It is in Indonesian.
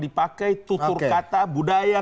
dipakai tutur kata budaya